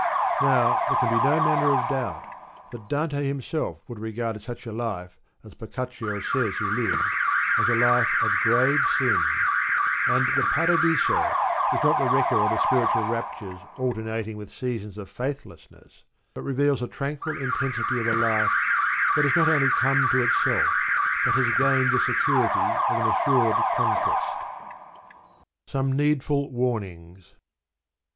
Now there can be no manner of doubt that Dante himself would have regarded such a life as Boccaccio says he lived, as a life of grave sin ; and the Paradiso is not the record of spiritual raptures alternating with seasons of faithlessness, but reveals the tranquil inten sity of a life that has not only come to itself, but has gained the security of an assured conquest. Some needful Warnings.